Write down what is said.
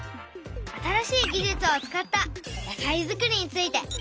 新しい技術を使った野菜作りについて見てみよう！